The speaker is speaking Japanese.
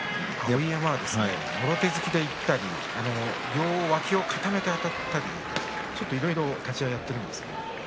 上手突きでいったり両脇を固めてあたったりいろいろな立ち合いをやっているんです。